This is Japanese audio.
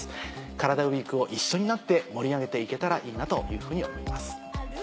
カラダＷＥＥＫを一緒になって盛り上げて行けたらいいなというふうに思います。